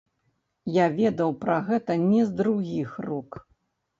Я ведаў пра гэта не з другіх рук.